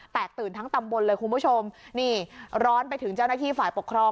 ตื่นทั้งตำบลเลยคุณผู้ชมนี่ร้อนไปถึงเจ้าหน้าที่ฝ่ายปกครอง